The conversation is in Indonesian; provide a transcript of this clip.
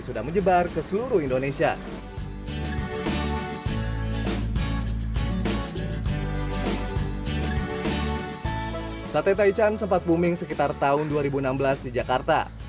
sudah menyebar ke seluruh indonesia sate taichan sempat booming sekitar tahun dua ribu enam belas di jakarta